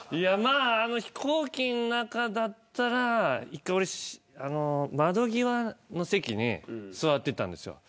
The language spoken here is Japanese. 飛行機の中だったら窓際の席に座っていたんです。